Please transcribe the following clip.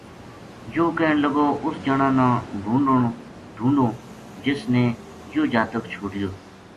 یون کہن لگو اُس جنا نا ڈھونڈوں جس نے یوہ جاتک چھوڈیو